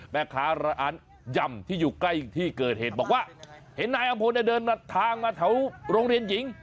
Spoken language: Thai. แม่ค้าร้านยำที่อยู่ใกล้ที่เกิดเหตุบอกว่าเห็นนายอำพลเนี่ยเดินมาทางมาแถวโรงเรียนหญิง